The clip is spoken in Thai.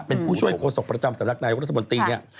เป็นผู้ช่วยโฆษกประจำสำนักนายวัฒนบนตรี